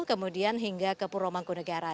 kemudian hingga ke puromangku negara